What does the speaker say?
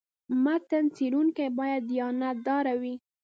متن څېړونکی باید دیانت داره وي.